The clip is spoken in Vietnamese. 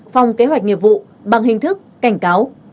phòng kế hoạch nghiệp vụ bằng hình thức cảnh cáo